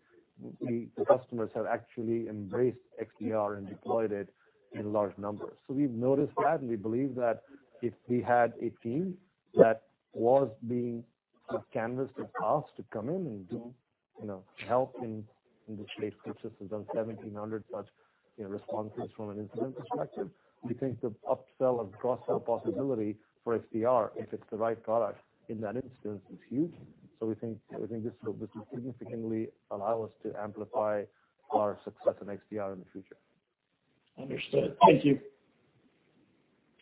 the customers have actually embraced XDR and deployed it in large numbers. We've noticed that, and we believe that if we had a team that was being canvassed with us to come in and do help in the space Crypsis has done 1,700 such responses from an incident perspective. We think the upsell or cross-sell possibility for XDR, if it's the right product in that instance, is huge. We think this will significantly allow us to amplify our success in XDR in the future. Understood. Thank you.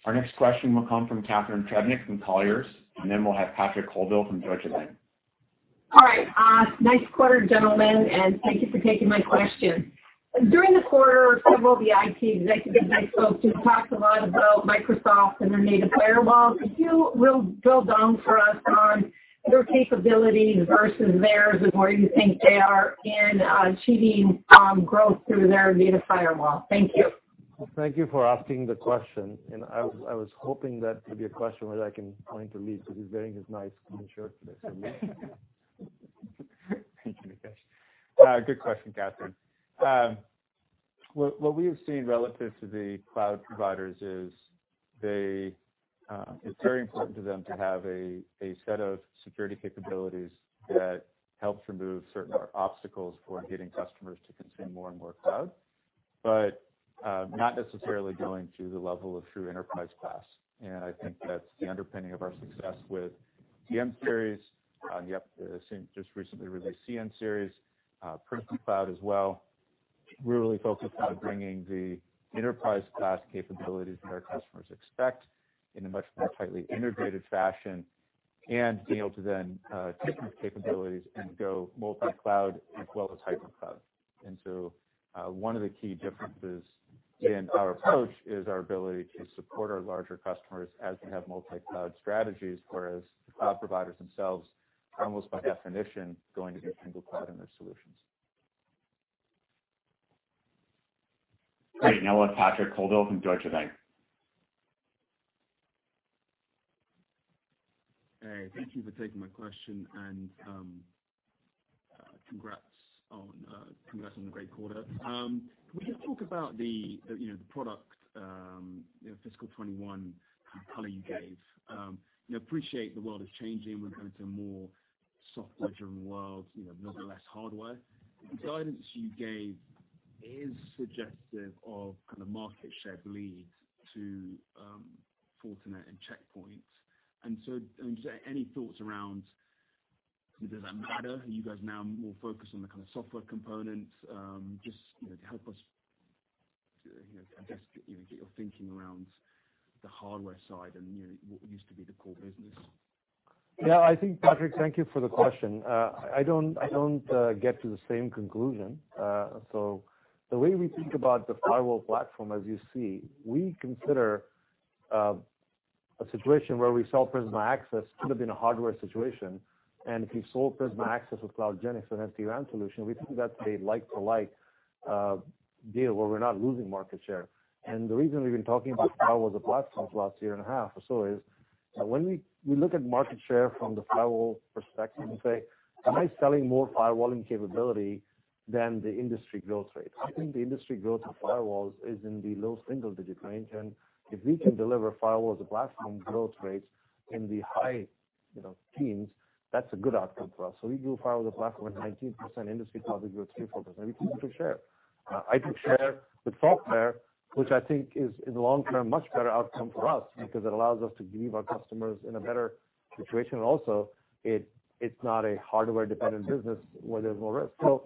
Our next question will come from Catharine Trebnick from Colliers, and then we'll have Patrick Colville from Deutsche Bank. All right. Nice quarter, gentlemen, and thank you for taking my question. During the quarter, several of the IT executives I spoke to talked a lot about Microsoft and their native firewall. Could you drill down for us on your capabilities versus theirs and where you think they are in achieving growth through their native firewall? Thank you. Thank you for asking the question, and I was hoping that would be a question where I can point to Luis because he's wearing his nice green shirt today, so Luis. Thank you, Nikesh. Good question, Catharine. What we have seen relative to the cloud providers is it's very important to them to have a set of security capabilities that helps remove certain obstacles for getting customers to consume more and more cloud, but not necessarily going to the level of true enterprise class. I think that's the underpinning of our success with VM-Series, and the just recently released CN-Series, Prisma Cloud as well. We're really focused on bringing the enterprise-class capabilities that our customers expect in a much more tightly integrated fashion and being able to then take those capabilities and go multi-cloud as well as hyper-cloud. One of the key differences in our approach is our ability to support our larger customers as they have multi-cloud strategies, whereas the cloud providers themselves are almost by definition going to be single cloud in their solutions. Great. Now with Patrick Colville from Deutsche Bank. Hey, thank you for taking my question and congrats on the great quarter. Can we just talk about the product fiscal 2021 color you gave? Appreciate the world is changing. We're going to a more software-driven world, nonetheless hardware. The guidance you gave is suggestive of market share bleed to Fortinet and Check Point. Just any thoughts around, does that matter? Are you guys now more focused on the software component? Just to help us get your thinking around the hardware side and what used to be the core business. Yeah, Patrick, thank you for the question. I don't get to the same conclusion. The way we think about the firewall platform, as you see, we consider a situation where we sell Prisma Access could have been a hardware situation. If you sold Prisma Access with CloudGenix, an SD-WAN solution, we think that's a like for like deal where we're not losing market share. The reason we've been talking about Firewall as a Platform for the last year and a half or so is that when we look at market share from the firewall perspective and say, "Am I selling more firewalling capability than the industry growth rate?" I think the industry growth of firewalls is in the low single-digit range, and if we can deliver Firewall as a Platform growth rates in the high teens, that's a good outcome for us. We do Firewall as a Platform at 19%, industry probably grows 3% or 4%, and we continue to share. I take share with software, which I think is in the long term, much better outcome for us because it allows us to leave our customers in a better situation. It's not a hardware dependent business where there's more risk.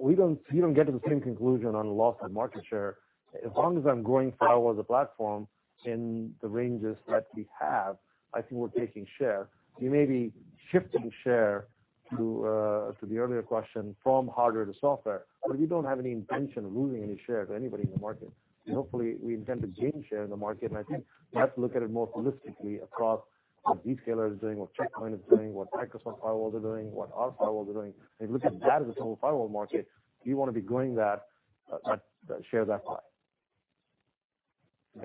We don't get to the same conclusion on loss of market share. As long as I'm growing Firewall as a Platform in the ranges that we have, I think we're taking share. We may be shifting share to the earlier question from hardware to software, but we don't have any intention of losing any share to anybody in the market. Hopefully, we intend to gain share in the market, and I think we have to look at it more holistically across what Zscaler is doing, what Check Point is doing, what Microsoft Firewalls are doing, what our firewalls are doing, and look at that as a total firewall market. We want to be growing that, share that pie.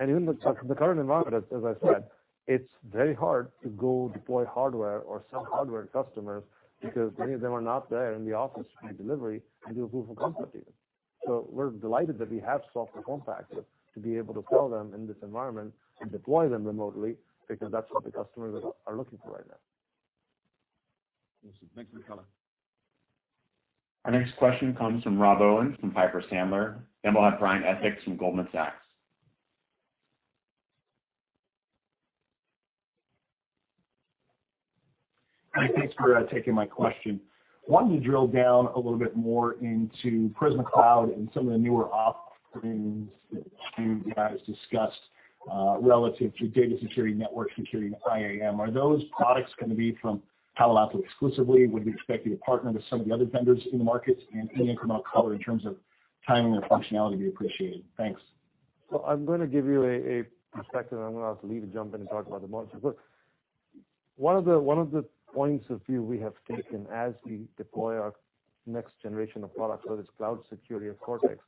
In the current environment, as I said, it's very hard to go deploy hardware or sell hardware to customers because many of them are not there in the office for delivery and do approval processes. We're delighted that we have software form factors to be able to sell them in this environment and deploy them remotely, because that's what the customers are looking for right now. Awesome. Thanks, Nikesh. Our next question comes from Rob Owens from Piper Sandler, then we'll have Brian Essex from Goldman Sachs. Hi, thanks for taking my question. I wanted to drill down a little bit more into Prisma Cloud and some of the newer offerings that you guys discussed, relative to data security, network security, and IAM. Are those products going to be from Palo Alto exclusively? Would we expect you to partner with some of the other vendors in the market? Any incremental color in terms of timing and functionality would be appreciated. Thanks. I'm going to give you a perspective, and I'm going to ask Lee to jump in and talk about the module. One of the points of view we have taken as we deploy our next generation of products, whether it's cloud security or Cortex,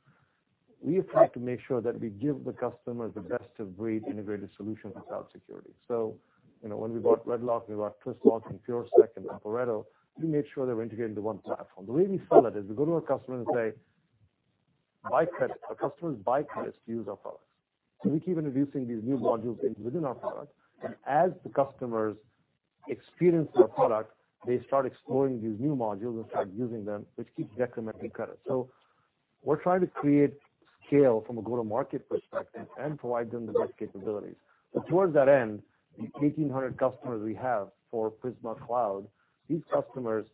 we have tried to make sure that we give the customer the best of breed integrated solution for cloud security. When we bought RedLock, we bought Twistlock and PureSec and Aporeto, we made sure they were integrated into one platform. The way we sell it is we go to our customer and say, our customers buy credits to use our products. We keep introducing these new modules within our product, and as the customers experience our product, they start exploring these new modules and start using them, which keeps decrementing credit. We're trying to create scale from a go-to-market perspective and provide them the best capabilities. But towards that end, the 1,800 customers we have for Prisma Cloud, these customers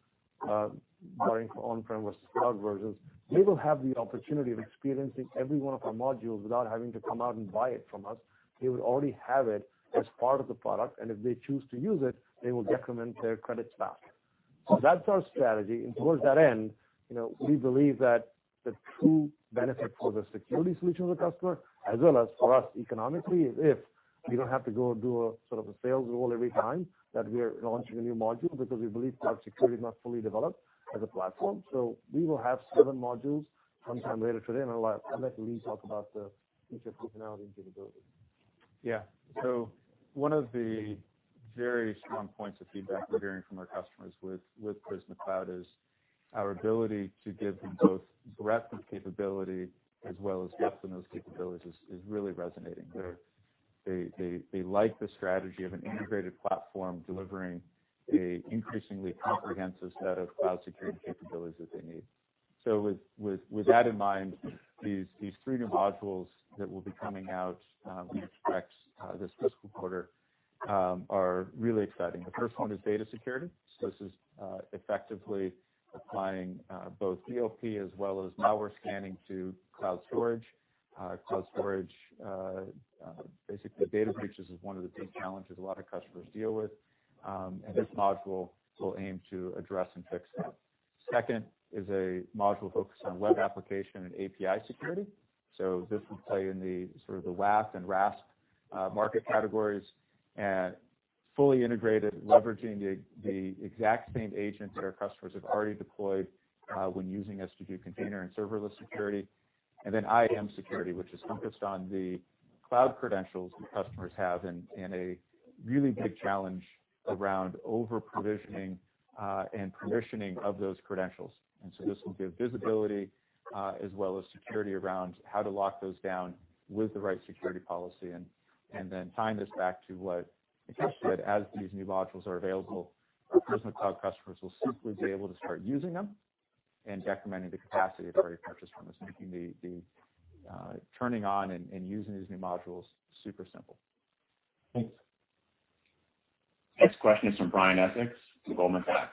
buying on-premise cloud versions, they will have the opportunity of experiencing every one of our modules without having to come out and buy it from us. They will already have it as part of the product, and if they choose to use it, they will decrement their credits back. That's our strategy, and towards that end, we believe that the true benefit for the security solution of the customer as well as for us economically, is if we don't have to go do a sales role every time that we are launching a new module because we believe cloud security is not fully developed as a platform. We will have seven modules sometime later today, and I'll let Lee talk about the feature functionality and capability. Yeah. One of the very strong points of feedback we're hearing from our customers with Prisma Cloud is our ability to give them both breadth of capability as well as depth in those capabilities is really resonating there. They like the strategy of an integrated platform delivering an increasingly comprehensive set of cloud security capabilities that they need. With that in mind, these three new modules that will be coming out, we expect this fiscal quarter, are really exciting. The first one is data security. This is effectively applying both DLP as well as malware scanning to cloud storage. Cloud storage, basically data breaches is one of the big challenges a lot of customers deal with, and this module will aim to address and fix that. Second is a module focused on web application and API security. This will play in the WAF and RASP market categories and fully integrated, leveraging the exact same agents that our customers have already deployed when using Prisma Cloud and serverless security. IAM security, which is focused on the cloud credentials that customers have and a really big challenge around over-provisioning, and permissioning of those credentials. This will give visibility, as well as security around how to lock those down with the right security policy and then tying this back to what Nikesh said, as these new modules are available, our Prisma Cloud customers will simply be able to start using them and decrementing the capacity they've already purchased from us, making the turning on and using these new modules super simple. Thanks. Next question is from Brian Essex from Goldman Sachs.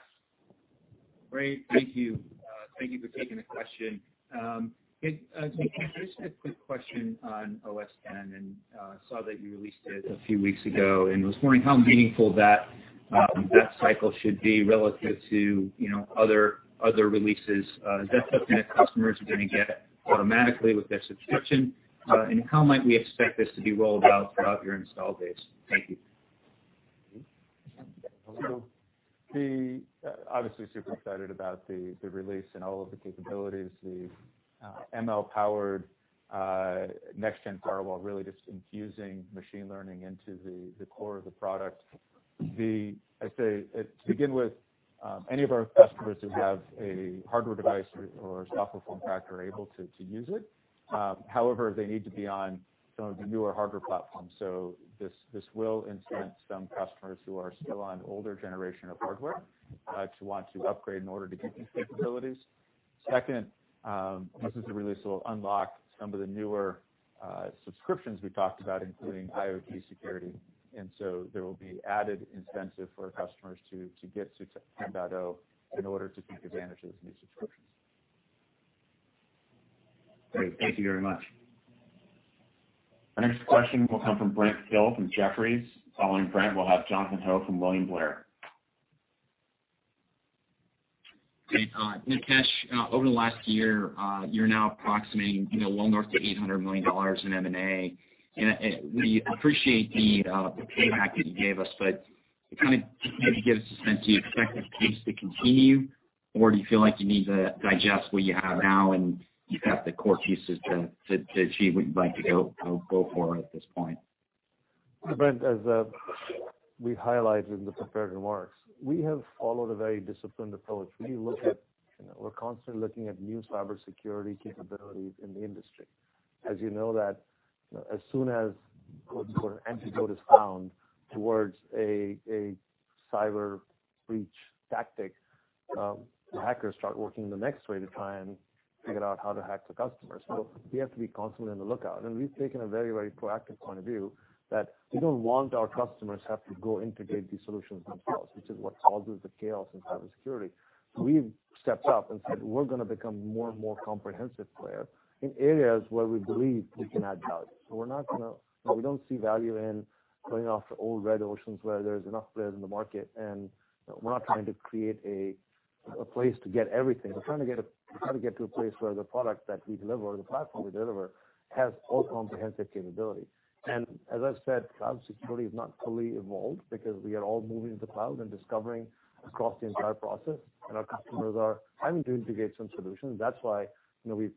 Great. Thank you. Thank you for taking the question. Nikesh, just a quick question on OS 10 and saw that you released it a few weeks ago and was wondering how meaningful that cycle should be relative to other releases. Is that something that customers are going to get automatically with their subscription? How might we expect this to be rolled out throughout your install base? Thank you. Obviously super excited about the release and all of the capabilities, the ML-powered next-gen firewall, really just infusing machine learning into the core of the product. To begin with, any of our customers who have a hardware device or software form factor are able to use it. However, they need to be on some of the newer hardware platforms. This will incent some customers who are still on older generation of hardware to want to upgrade in order to get these capabilities. Second, this is a release that will unlock some of the newer subscriptions we talked about, including IoT security. There will be added incentive for customers to get to 10.0 in order to take advantage of these new subscriptions. Great. Thank you very much. Our next question will come from Brent Thill from Jefferies. Following Brent, we will have Jonathan Ho from William Blair. Great. Nikesh, over the last year, you're now approximating well north of $800 million in M&A. We appreciate the payback that you gave us. Maybe give us a sense, do you expect this pace to continue, or do you feel like you need to digest what you have now and you've got the core pieces to achieve what you'd like to go for at this point? Brent, as we highlighted in the prepared remarks, we have followed a very disciplined approach. We're constantly looking at new cybersecurity capabilities in the industry. As you know that as soon as quote-unquote, antidote is found towards a cyber breach tactic, the hackers start working the next way to try and figure out how to hack the customers. We have to be constantly on the lookout, and we've taken a very proactive point of view that we don't want our customers have to go integrate these solutions themselves, which is what causes the chaos in cybersecurity. We've stepped up and said we're going to become a more and more comprehensive player in areas where we believe we can add value. We don't see value in going after old red oceans where there's enough players in the market, and we're not trying to create a place to get everything. We're trying to get to a place where the product that we deliver or the platform we deliver has all comprehensive capability. As I've said, cloud security is not fully evolved because we are all moving to the cloud and discovering across the entire process, and our customers are having to integrate some solutions. That's why we've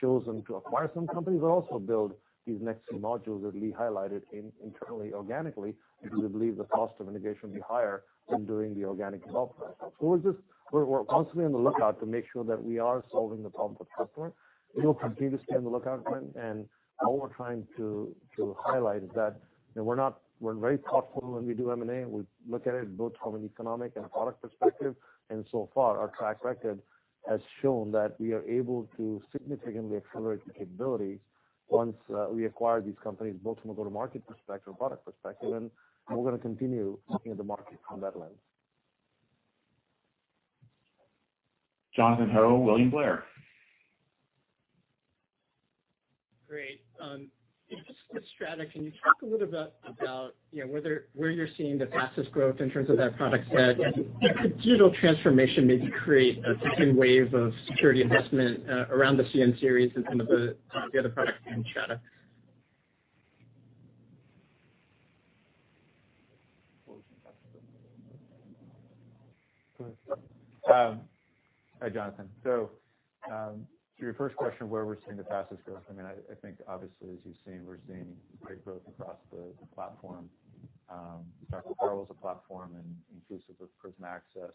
chosen to acquire some companies, but also build these next few modules that Lee highlighted internally, organically, because we believe the cost of integration will be higher than doing the organic development. We're constantly on the lookout to make sure that we are solving the problem for the customer. We will continuously be on the lookout, Brent, and all we're trying to highlight is that we're very thoughtful when we do M&A. We look at it both from an economic and a product perspective, and so far, our track record has shown that we are able to significantly accelerate the capabilities once we acquire these companies, both from a go-to-market perspective, product perspective, and we're going to continue looking at the market on that lens. Jonathan Ho, William Blair. Great. Just with Strata, can you talk a little bit about where you're seeing the fastest growth in terms of that product set? Could digital transformation maybe create a second wave of security investment around the CN-Series and some of the other products in Strata? Hi, Jonathan. To your first question, where we're seeing the fastest growth, I think obviously as you've seen, we're seeing great growth across the platform. We talk about Firewall is a platform and inclusive of Prisma Access,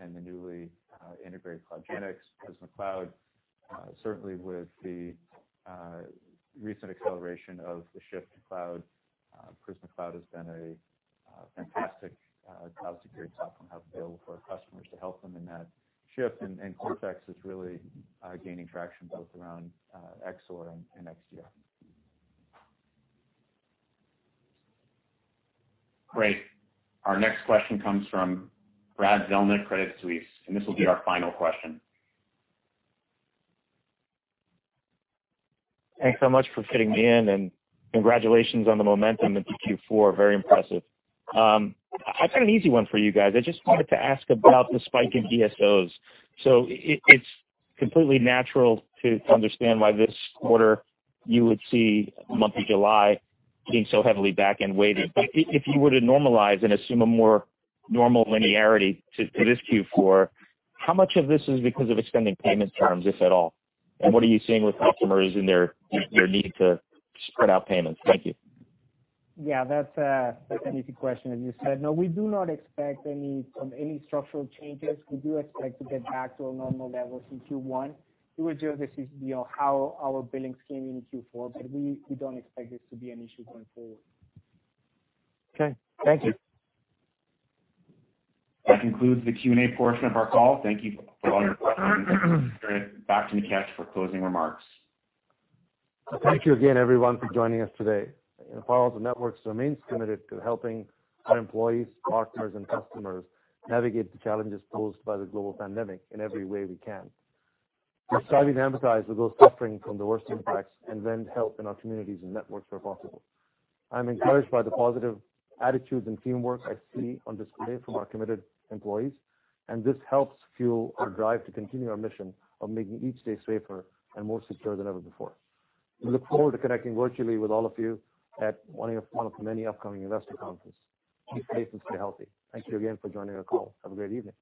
and the newly integrated CloudGenix, Prisma Cloud. Certainly with the recent acceleration of the shift to cloud, Prisma Cloud has been a fantastic cloud security platform available for our customers to help them in that shift. Cortex is really gaining traction both around XSOAR and XDR. Great. Our next question comes from Brad Zelnick, Credit Suisse, and this will be our final question. Thanks so much for fitting me in, and congratulations on the momentum into Q4. Very impressive. I've got an easy one for you guys. I just wanted to ask about the spike in DSOs. It's completely natural to understand why this quarter you would see month of July being so heavily back end weighted. If you were to normalize and assume a more normal linearity to this Q4, how much of this is because of extending payment terms, if at all? What are you seeing with customers in their need to spread out payments? Thank you. Yeah, that's an easy question, as you said. No, we do not expect any structural changes. We do expect to get back to a normal level in Q1. It was just this is how our billings came in in Q4, but we don't expect this to be an issue going forward. Okay. Thank you. That concludes the Q&A portion of our call. Thank you for all your questions. Turn it back to Nikesh for closing remarks. Thank you again, everyone, for joining us today. Palo Alto Networks remains committed to helping our employees, partners, and customers navigate the challenges posed by the global pandemic in every way we can. We're solidly empathize with those suffering from the worst impacts and lend help in our communities and networks where possible. I'm encouraged by the positive attitudes and teamwork I see on display from our committed employees, and this helps fuel our drive to continue our mission of making each day safer and more secure than ever before. We look forward to connecting virtually with all of you at one of the many upcoming investor conferences. Keep safe and stay healthy. Thank you again for joining our call. Have a great evening.